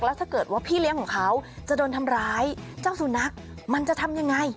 แล้วถ้าเกิดว่าพี่เลี้ยงของเขาจะโดนทำร้ายเจ้าสุนัขมันจะทำยังไง